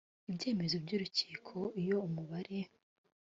ibyemezo by ukuri iyo umubare